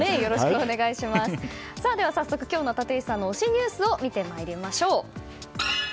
早速、今日の立石さんの推しニュースを見てまいりましょう。